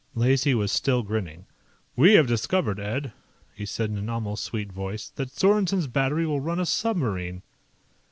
Lacey was still grinning. "We have discovered, Ed," he said in an almost sweet voice, "that Sorensen's battery will run a submarine."